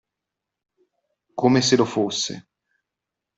Come se lo fosse.